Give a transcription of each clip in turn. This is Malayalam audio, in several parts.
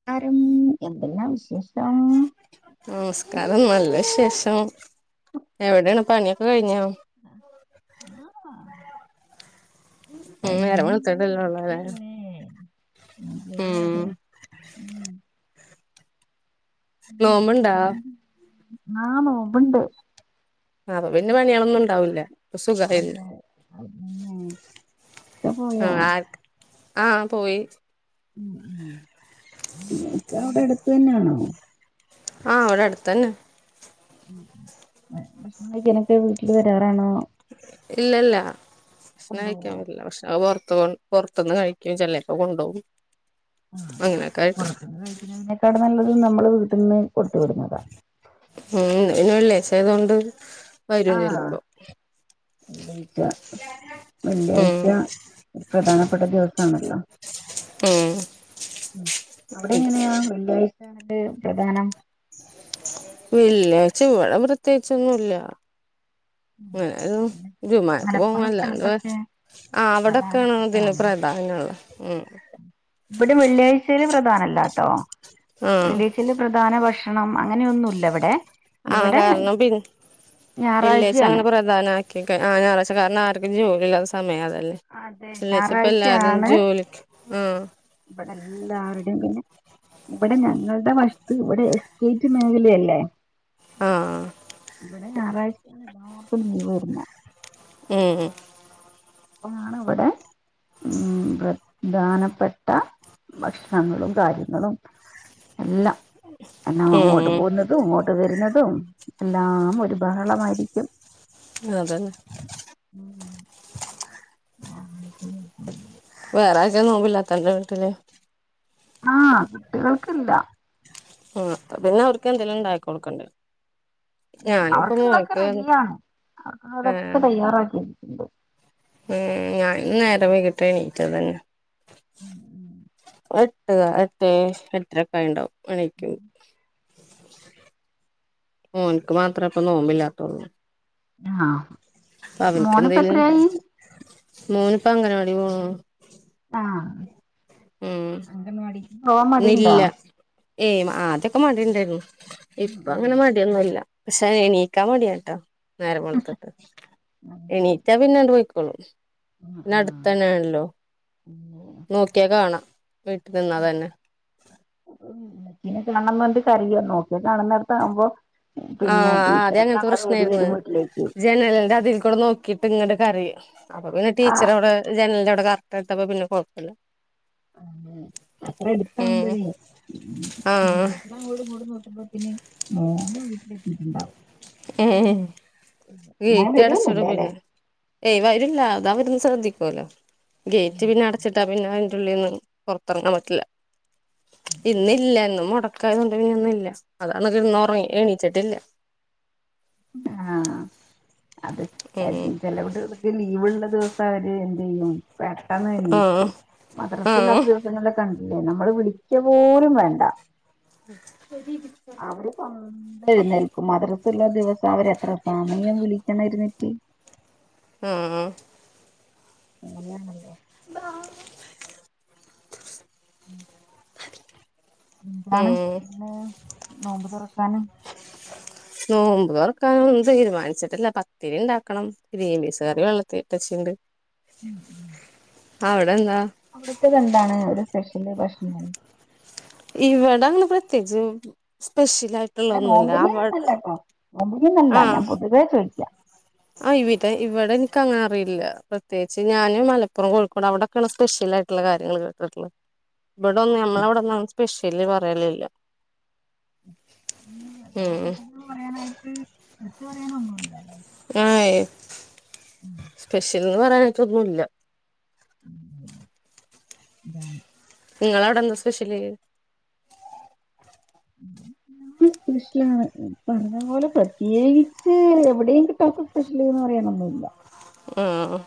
ഉം ക്കാരം എന്തല്ലാ വിശേഷം നമസ്കാരം നല്ല വിശേഷം എവിടെയാണ് പണിയൊക്കെ കഴിഞ്ഞാ ആഹ ഉം നേരം കഴിഞ്ഞിങ്ങനെ വെളുത്തിട്ടല്ലേ ഉള്ളൂ അല്ലേ ഇരിക്കല്ലേ അതേ ഉം അതെ ഉം നോമ്പിണ്ടാ ആഹ് നോമ്പിണ്ട് അപ്പ പിന്നെ പണിയളൊന്നും ഇണ്ടാവൂല്ല അപ്പ സുഖായില്ലെ അതെ അതന്നെ ഒക്കെ പോയോ? ആഹ് ആക്ക് ആഹ് പോയി ഉം ഉം ഇങ്ങക്കവിടെ അടുത്ത് തന്നെയാണോ ആഹ് ഇവിടെ അടുത്തന്നെ ഉം ഉം ഭക്ഷണം കഴിക്കാനൊക്കെ വീട്ടില് വരാറാണോ ഇല്ലല്ല ഭക്ഷണം കഴിക്കാൻ കൊണ്ടുപോവോ പറ്റില്ല ഭക്ഷണൊക്കെ പൊറത്ത് പോണം പൊറത്ത്ന്ന് കഴിക്കും ചെലേപ്പ കൊണ്ടോവും ആഹ് പൊറത്തിന്ന് കഴിക്കുന്നതിനേക്കാളും നല്ലത് നമ്മള് വീട്ടിന്ന് കൊടുത്തു വിടുന്നതാ ഉം ഇന്ന് പിന്നെ വെള്ളിയാഴ്ച്ച ആയതോണ്ട് വരും ചെലപ്പോ വെള്ളിയാഴ്ച്ച ഉം വെള്ളിയാഴ്ച്ച പ്രധാനപ്പെട്ട ദിവസാണല്ലോ ഉം ഉം അവിടെങ്ങനെയാ വെള്ളിയാഴ്ച്ച [unintelligible] പ്രധാനം വെള്ളിയാഴ്ച്ച ഇവിടെ പ്രത്യേകിച്ചൊന്നുല്ല [unintelligible] ജുമാക്ക് പോവും മലപ്പുറം അല്ലാണ്ട് വേ സ്ഥലത്തൊക്കെ ആഹ് അവിടൊക്കെയാണ് അതിന് പ്രധാനപ്പെട്ടതാണല്ലോ പ്ര [unintelligible] ഇവിടെ വെള്ളിയാഴ്ചൽ പ്രധാനല്ല ട്ടോ ആഹ് വെള്ളിയാഴ് ൽ പ്രധാന ഭക്ഷണം അങ്ങനെയൊന്നും ഇല്ല ഇവടെ ആഹ കാരണം പി ന്നെ വെള്ളിയാഴ് ച്ച ഞായറാഴ്ചയാണ് അങ്ങനെ പ്രധാന പ്രധാന ആക്കിക്കാ ആ ഞായാഴ് കാരണംആ ർക്കും ജോലി ഇല്ലാ സമയം അതല്ലേ അതെ വെള്ളിയാഴ്ച പ്പ എല്ലാരും ഞായറാഴ്ചയാണ് ജോലി ക്ക് ആഹ് ഇവിടെ എല്ലാവരുടെയും പിന്നെ ഇവിടെ ഞങ്ങളുടെ വശ് ത്തുഇവിടെ എസ്റ്റേറ്റ് മേഖലയല്ലേ ആ ഹ് ആ ഇവിടെ ഞായറഴ്ചയാണ് എല്ലാ ർക്ക് ലീവ് വരുന്ന് എ ഏ [unintelligible] ഇ വിടെ ഉമ് പ്രധാനപ്പെട്ട ഭക്ഷണങ്ങളും കാര്യങ്ങളും എല്ലാം [unintelligible] അങ്ങോട്ട് ഉം പോകുന്ന ത് അതും അങ്ങോട്ട് വരുന്നതും എല്ലാം ഒരു ബഹളമായിരിക്കും അതന്നെ ഉ ആഹ ശ വേറെ ആര് ക്കാ നോമ്പില്ലാത്തത് അന്റെ വീട്ടില് ആഹ് കുട്ടികൾക്കില്ല ആ പിന്നെ അവർക്കെ ന്തേലും ഉണ്ടായി കൊടുക്കണ്ടെ അവർക്കുള്ളതൊക്കെ റെഡിയാണ് അവർക്കുള്ളതൊക്കെ ഏഹ് തയ്യാറാക്കി ഞാൻ ഇന്ന് നേരം വെ കിട്ടാ എ നീറ്റത് തന്നെ [inaudible] എട്ട ക്കാ എട്ടെ എ ട്ടര ക്കാ യിട്ടു ണ്ടാവും എ ണീ ക്കും ഓൻ ക്ക് മാത്രാ പ്പൊ നോമ്പില്ലാത്തോള്ളൂ ആഹ് മോനിപ്പ അവൻക്കെന്തേലും എത്രയായി മോന് ഇപ്പൊ അംഗൻവാടില് പോണു ആഹ് ഉം അംഗൻവാടി ഇന്നില്ല ഏയ് ആദ്യക്കെ മടിയുണ്ടായിരുന്നു ഉം ഇപ്പൊ ഉം അങ്ങനെ മടി- മടി യൊ ന്നി ല്ല പക്ഷെ എണീക്കാൻ മടിയാട്ടോ നേരം വെളുത്തിട്ട് അത് ശരി. എണീറ്റാ പിന്നണ്ട് പോയ്ക്കോളും ന്ന അടുത്ത ഉം ന്നെണല്ലോ ഉം നോക്കിയാ കാണാ വീട്ടി നിന്നാ തന്നെ ഉമ്മച്ചീനെ കാണണം ന്ന റഞ്ഞിട്ട് കരയോ നോക്കിയാകാണുന്നടത്ത് ആവുമ്പോ പിന്നെ ആഹ് ടീച്ചറെ കാണാതെ ഓടി വരും വീട്ടിലേക്ക് ജനൽ ന്റെ അതികൂടെ നോക്കീട്ട് ഇങ്ങട് കരയും അപ്പൊപിന്നെ ആഹ് ടീച്ചർ അവിടെ ജനലിന്റെ വടെ കാത്ത് - [unintelligible] പിന്നെ കൊയ പ്പ ല്ലാ മ്മ് അത്ര ഏ എടുത്താവുമ്പോഴേ ആഹ് അങ്ങോടുംഇങ്ങോടും നോക്കുമ്പത്തിന് മോന് വീട്ടിലെത്തിയിട്ടുണ്ടാവും ഏഹ് ഞാൻ ഗേറ്റ് വരുവൊന്നുമില്ല അടച്ചിടും അല്ലേ പിന്നെ ഏയ് വരി ല്ല അതവിടുന്ന് ശ്രദ്ധിക്കുവല്ലോ ഗേറ്റ് പിന്നെ അടച്ചിട്ടാ പി പിന്നെ അയിന്റുള്ളിന്ന് പുറത്തിറങ്ങാൻ പറ്റില്ല ഇന്നില്ലഇന്ന് മുട- ക്കാ യോണ്ട് ഇന്നില്ല അതാന്ന് കിടന്ന് ഉറങ്ങി എണീച്ചിട്ടില്ല ആഹ് അത് ഉം [unintelligible] ചെല വിട് ലീവുള്ള ദിവസം അവര് എന്തിയും പെട്ടെന്ന് ആഹ് എണീക്കും മദ്രസ ആഹ് ഇല്ലാത്ത ദിവ- ന്നലെ കണ്ടില്ലേ നമ്മള് വിളിക്ക പോലും വേണ്ട [unintelligible] അവര് പതുക്കെ എഴുന്നേൽക്കും മദ്രസള്ള ദിവസ അവരെ എത്ര സമയം വിളിക്കണരുന്ന ആഹ് ആഹ് നല്ല ആള്ണ്ടോ ബാ ഉം എന്താണ് ഉം പിന്നെ നോമ്പ് തുറക്കാന് നോമ്പ് തുറക്കാനൊന്നും തീരുമാനിച്ചിട്ടില്ല പത്തിരി ഉണ്ടാക്കണം ഗ്രീൻപീസ് കറി വെള്ളത്തിട്ടച്ചിണ്ട് ഉം ഉം അവ്ടെന്താ അവിടത്തെ എന്താണ് ഒരു സ്പെഷ്യല് ഭക്ഷണം ഇവടങ്ങനെ പ്രത്യേകിച്ച് സ്പെഷ്യൽ ആയിട്ട് നോമ്പിന് അല്ലട്ടോ നോമ്പിനെന്നല്ല ഞാൻ പൊതുവേ ചോയ്ക്ക ആഹ് ഇവിടെ ഇവിടെ എനിക്കങ്ങനെ അറിയില്ല പ്രത്യേകിച്ച് ഞാന് മലപ്പുറം കോഴിക്കോട് അവിടെ കെള്ള സ്പെഷ്യൽ ആയിട്ടുള്ള കാര്യങ്ങള് കേട്ടീണ് ഇവിടന്നും നമ്മളവിടന്നും അങ്ങനെ സ്പെഷല് പറലില്ല ഉം ചോറിന് ഒന്ന് ഇല്ലാലെ ആഹ് സ്പെഷ്യൽന്ന് പറയാനായിട്ടൊന്നുല്ല അതാണ് നിങ്ങളവടെന്താ സ്പെഷ്യല് സ്പെഷ്യല് പറഞ്ഞ പോലെ പ്രത്യേകിച്ച് എവിടെയും കിട്ടാത്തെ സ്പെഷ്യൽന്ന് പറയാനൊന്നുല്ല ആഹ്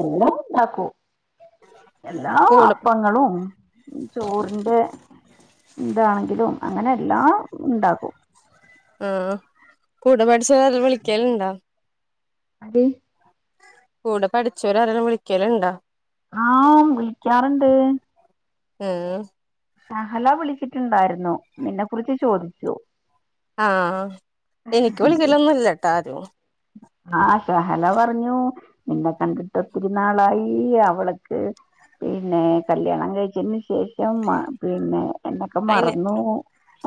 എല്ലാം ഉണ്ടാക്കും എല്ലാ കൂടെ അപ്പങ്ങളും ചോറിന്റെ ഇതാണെങ്കിലും അങ്ങനെ എല്ലാം ഉണ്ടാകും ആഹ് കൂടെ പഠിച്ചവർ ആരേലും വിളിക്കലുണ്ടോ ആര് കൂടെ പഠിച്ചവരാരേലു വിളിക്കലിണ്ടാ ആഹ് വിളിക്കാറിണ്ട് ഏഹ് ഷഹല വിളിച്ചിട്ടിണ്ടാരുന്നു നിന്നെ കുറിച്ച് ചോദിച്ചു ആഹ് എനിക്ക് വിളിക്കലൊന്നില്ലട്ട ആരും ആഹ് ഷെഹല പറഞ്ഞു നിന്നെ കണ്ടിട്ട് ഒത്തിരിനാളായി അവൾക്ക് പിന്നെ കല്യാണം കഴിച്ചേന് ശേഷം പിന്നെ എന്നൊക്കെ അയിന് മറന്നു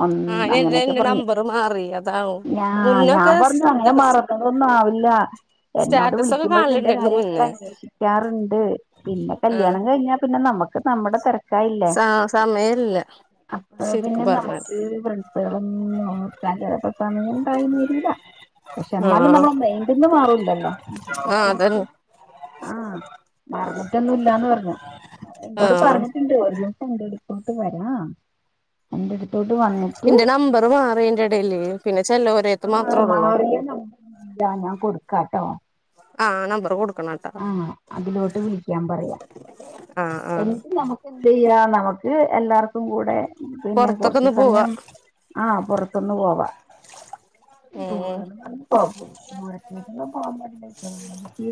ഒന്ന് ആഹ് എന്റെ അങ്ങനൊക്കെ എന്റെ പറഞ്ഞു നമ്പർ മാറി അതാവും ഞാ ഞാൻ മുന്നൊക്കെ പറഞ്ഞു അങ്ങനെ ഇതൊക്കെ മറ കലൊന്നാവില്ല എന്നോട് സ്റ്റാറ്റസ് ഒക്കെ വിളിക്കുമ്പഴു നിന്റെ കാണലുണ്ടായിരുന്നു കാര്യെക്കെ മുന്നേ അന്വേഷി ക്കാറിണ്ട് പിന്നെ കല്യാണം കഴിഞ്ഞാ പിന്നെ നമക്ക് നമ്മടെ തെര സാ സമയില്ല അപ്പൊ പിന്നെ നമുക്ക് ഫ്രൻസുകളൊന്നും ഓർക്കാൻ ചെലപ്പ സമയിണ്ടായീന്ന് വരൂല പക്ഷെ എന്നാലും ആഹ് നമ്മള് മെയിന്റീന്ന് മാറൂല്ലല്ലോ ഓരെ ആഹ് കുറിച്ച് അതന്നെ ആഹ് മറന്നിട്ടൊന്നു ഇല്ലാന്ന് പറഞ്ഞു എന്നോട് ആഹ് പറഞ്ഞിട്ടിണ്ട് എന്റടുത്തോട്ട് വരാ എന്റട് തോട്ട് വന്ന് ഇന്റെ നമ്പർ മാറിയ്ന്റെടേല് പിന്നെ ചെലോ ആഹ് മാറിയ ഇല്ല ഞാൻ കൊടുക്കാട്ടോ ആഹ് നമ്പർ കൊടുക്കണ ആഹ് അതിലോട്ട് വിളിക്കാൻ പറയാ ആഹ് ആഹ് എന്നിട്ട് നമക്ക് എന്തെയ്യാ നമുക്ക് എല്ലാർക്കും കൂടെ പിന്നെ പൊറത്തൊക്കെ കൊറച്ച് ഒന്ന് പോവാ സമയം ആഹ് പൊറത്തൊന്ന് പോവാ ഉം പോവാന്ന് പറഞ്ഞ് ദൂരത്തേക്കൊന്നും പോവാൻ പാടില്ല ചേമ്പടിക്ക്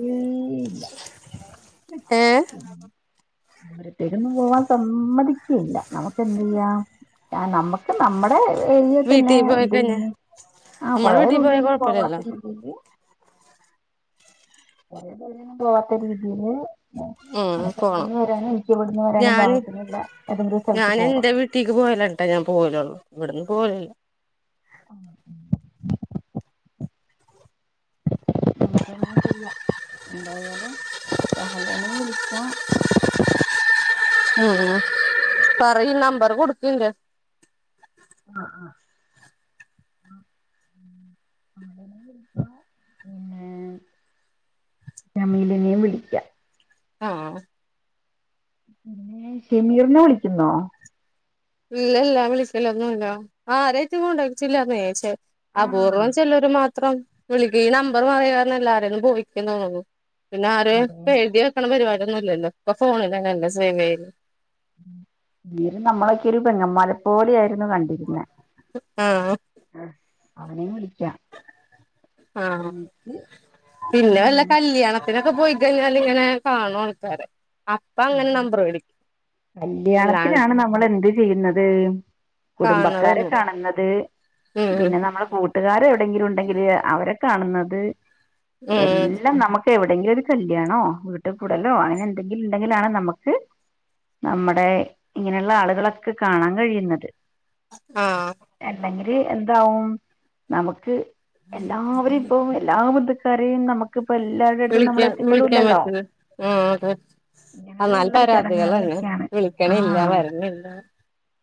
ഇല്ല ഏഹ് ഓരോത്തരൊന്നും പോവാൻ സമ്മതിക്കയില്ല നമക്ക് എന്തെയ്യാം നമ്മക്ക് നമ്മടെ ഏരിയെ വീട്ടി തന്നെ പോയി കഴിഞ്ഞ ഇന്തേയിഞ്ഞ് ആഹ് നമ്മളെ കൊറേ വീട്ടി പോയാ ദൂരെയൊന്നും കൊഴപ്പല്ലല്ലോ പോവാത്തരീതീല് കൊറേ ദൂരേന്നും പോവാത്ത രീതീല് ഉം നെനക്ക് പോണം അവിട്ന്ന് വരാനും എനിക്ക് ഇവിട്ന്ന് വരാനും ഞാന് പാകത്തിലുള്ള ഏതെങ്കിലും സ്ഥലത്ത് പോവാം റ്റീക്ക് പോയല്ലാട്ടാ ഞാ പോവലൊള്ളു ഇവിട്ന്ന് പോവലില്ല ആഹ് [unintelligible] എന്തായാലും ഷഹലേനെ വിളിച്ച ഉം പറയി നമ്പര് കൊടുക്കെന്റെ ആഹ് ആഹ് അങ്ങനാണെ ആഹ് പിന്നെ നമീലേനേം വിളിക്കാം ആഹ് പിന്ന ഷെമീറിനെ വിളിക്കുന്നോ ഇല്ലല്ലാ വിളിക്കലൊന്നൂല്ല ആരായിറ്റും കോണ്ടാക്റ്റില്ലാന്നെ ചെ ആ അപൂർവം ചെലര് മാത്രം വിളിക്കും ഈ നമ്പർ മാറിയാരണം എല്ലാരേന്നും പോയിക്കി തോന്നുന്നു പിന്നെ ആരേം അതെ എഴുതി വെക്കണ പരുവാടിയൊന്നു ഇല്ലല്ലോ ഇപ്പൊ ഫോണിലന്നല്ലെ സേവേയല് വീര് നമ്മളൊക്കെ ഒരു പെങ്ങന്മാരെ പോലെയാരുന്നു കണ്ടിരുന്നെ ആഹ് ആഹ് അവനേം വിളിക്കാം ആഹ് എന്നിട്ട് ഉം പിന്നെ വല്ല നമുക്ക് കല്യാണ ത്തിനൊക്കെ പോയിക്കഴിഞ്ഞാല് ഇങ്ങനെ കാണു ആൾക്കാരെ അപ്പ അങ്ങനെ അതെ നമ്പറേടിക്കു കല്യാണത്തിനാണ് നമ്മളെന്ത് ചെയ്യുന്നത് കുടുംബക്കാരെ കാണതൊന്നും കാണുന്നത് ഉം പിന്നെ നമ്മൾ കൂട്ട് ട്ടുകാര് എവിടെങ്കിലും ഉണ്ടെങ്കില് അവരെ കാണുന്നത് ഉം എല്ലാം നമക്ക് പക്ഷ എവിടെെങ്കിലും ഒരു കല്യാണോ വീട്ടിൽ കൂടലോ അങ്ങനെ എന്തെങ്കിലും ഉണ്ടെങ്കില ആണ് നമുക്ക് നമ്മുടെ ഇങ്ങനെയുള്ള ആളുകളൊക്കെ കാണാൻ കഴിയുന്നത് ആഹ് അല്ലെങ്കില് എന്താവും നമുക്ക് എല്ലാവരും ഇപ്പൊ എല്ലാ ബന്ധുക്കാരെയും നമുക്കിപ്പ എല്ലാവരുടെ അടുത്തും നമ്മള എത്തിപ്പെടില്ലല്ലോ ആ എന്നാല് ഇങ്ങനെയുള്ള പരാതികൾ തന്നെ ചടങ്ങുകളിലൊക്കെയാണ് വിളിക്കണല്ല ആ വരുന്നില്ല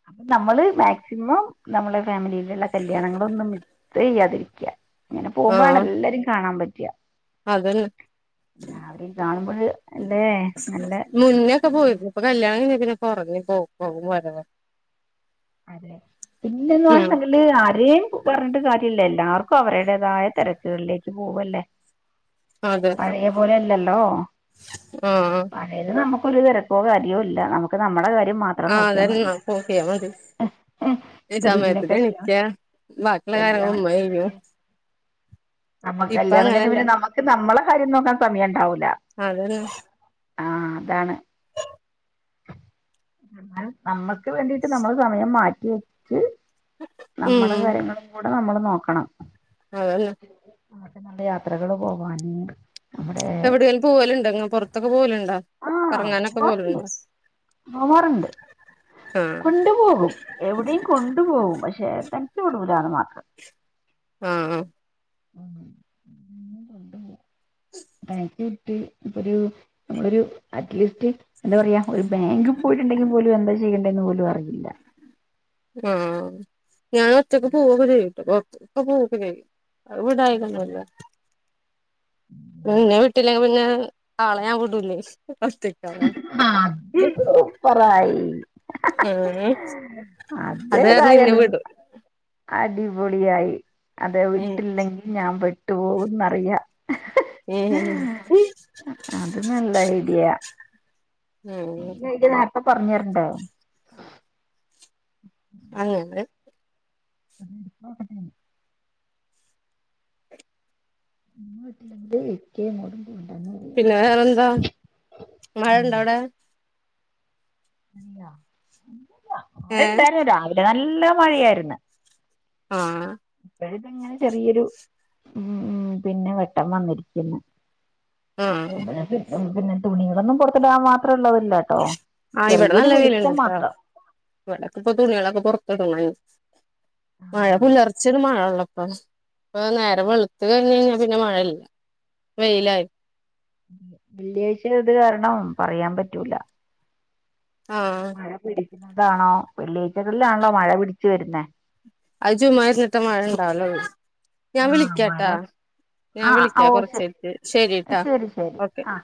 അപ്പൊ നമ്മള് മാക്സിമം നമ്മളെ ഫാമിലിയിലുള്ള കല്യാണങ്ങള ഒന്നും ഇ ചെയ്യാതിരിക്കുക ഇങ്ങനെ പോകുമ്പോഴാണ് ആഹ് എല്ലരി കാണാൻ പറ്റവ അതന്നെ അവര് കാണുമ്പോൾ എല്ലേ മുന്നൊക്കെ പോയിരുന്നു ഇപ്പൊ കല്യാണ പിെ കുറഞ്ഞ പോ പോകും വ അതെ പിന്നെന്ന് ഉം പറ ആരെയും പറഞ്ഞിട്ട കാര്യമല്ല എല്ലാർക്കും അവരുടേതായ തിരക്കുകളിലേക്ക് പോവല്ലേ അതെ പഴയ പോലെ അല്ലല്ലോ ആഹ് ആഹ് അതായത് നമുക്കൊരു തെരക്കോ കാര്യോ ഇല്ലാ നമുക്ക് നമ്മുടെ കാര്യം മാത്രം ആഹ് നോക്കിയാ അതന്നെ മതി നോക്കിയാ മതി ഈ പിന്നെ സമത്തിന് കല്യാണം എണീക്കാ ബാക്കിള്ള കാര്യങ്ങള് കല്യാണം ഉമ്മ ചെയ്യും നമ്മക് ഇപ്പ കല്യാണം കഴിഞ്ഞാ അങ്ങനല്ല പിന്നെ നമ്മക്ക് നമ്മെടെ കാര്യം നോക്കാൻ സമയം ഇണ്ടാവൂല്ലാ അതന്നെ ആഹ് അതാണ് എന്നാലും നമ്മക്ക് വേണ്ടീട്ട് നമ്മള് സമയം മാറ്റി വെച്ച് ഉം നമ്മടെ കാര്യങ്ങളും കൂടെ നമ്മള് നോക്കണം അതന്നെ നമ്മക്ക് നല്ല യാത്രകള് പോവാന് നമ്മുടെ എവിടെലും പോവല്ണ്ടാ ഇങ്ങ പൊറത്തൊക്കെ പോവലുണ്ടോ? ആഹ് കറങ്ങാനൊക്കെ പോവാറുണ്ട് പോവലുണ്ടോ പോവാറുണ്ട് ആഹ് കൊണ്ടു പോകും എവിടെയും കൊണ്ടു പോവും പക്ഷെ തനിച്ച് വിടൂലാന്ന് മാത്രം ആഹ് ആഹ് ഉം [unintelligible] കൊണ്ട് പോവും [unintelligible] വിട്ട് ഇപ്പ ഒരു നമ്മളൊരു അറ്റ്ലീസ്റ്റ് എന്താ പറയാ ഒരു ബാങ്ക് പോയിട്ട്ണ്ടെങ്കി പോലും എന്താ ചെയ്യണ്ടേന്ന് പോലും അറിയില്ലാ ആഹ് ഞാൻ ഒറ്റക്ക് പോവുമ്പഴെ [unintelligible] പോവുമ്പഴെ അത് വിടായികൊന്നൂല്ലാ ഇന്നെ വിട്ടില്ലെങ്കി പിന്നെ ആളെ ഞാൻ വിടൂല്ലേ ഒറ്റക്ക് ഇത് സൂപ്പറായി [unintelligible] അത് കാരണം ഇന്നെ അതേതായാലും വിടും അടിപൊളിയായി അതെ ഉം വിട്ടില്ലെങ്കി ഞാൻ പെട്ടു പോകുന്നറിയാ ഉം ഏഹ് അത് നല്ല ഐഡിയാ ഉം ഈ ഐഡിയ നേരത്തെ പറഞ്ഞരണ്ടെ അങ്ങനെ [inaudible] ഉമ്മ വീട്ടില്ലെങ്കില് ഇക്കെ മോനും പോണ്ടാന്ന് പറയും പിന്നെ വേറെന്താ മഴ ഇണ്ടാ അവിടെ [unintelligible] മഴ ഏഹ് ഇണ്ടായിരുന്നു രാവിലെ നല്ല മഴയായിരുന്നു ആഹ് ഇപ്പഴ്ത്ങ്ങനെ ചെറിയൊരു ഉം ഉം പിന്നെ വെട്ടം വന്നിരിക്കുന്ന് ആഹ് [unintelligible] പിന്നെ തുണികളൊന്നും പൊറത്ത്ടാൻ മാത്ര ഇള്ളതില്ലാട്ടോ ആഹ് ഇവിടെ നല്ല വെയില്ണ്ട്ട്ടാ ഇവിടക്കെ ഇപ്പൊ തുണിളൊക്കെ പൊറത്ത്ടണ [unintelligible] മഴ പുലർച്ചെയാണ് മഴള്ളെ പ്പ ഇപ്പ നേരെ വെളുത്ത് കഴിഞ്ഞ് കഴിഞ്ഞാ പിന്നെ മഴയില്ല വെയിലായി വെള്ളിയാഴ്ച്ച ആയത്കാരണം പറയാൻ പറ്റൂലാ ആഹ് മഴ പിടിക്കുന്നതാണോ വെള്ളിയാഴ്ച്ചകളിലാണല്ലോ മഴ പിടിച്ച് വെര്ന്നേ അത് [unintelligible] മഴ ഇണ്ടാവലുള്ളു ഞാ ആ മഴ വിളിക്കാട്ടാ ആ ഞവിളിക്ക ഓ കൊറച്ച് ശരി കയ്ഞ്ഞ്ട്ട് ശരിട്ടാ ശരി ശരി ഓക്കെ ആ